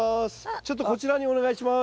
ちょっとこちらにお願いします。